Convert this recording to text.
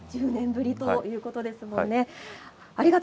１０年ぶりということですね。